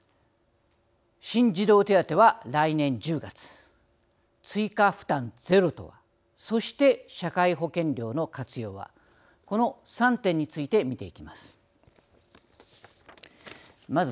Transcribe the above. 新児童手当は来年１０月追加負担ゼロとはそして、社会保険料の活用はこの３点について見ていきたいと思います。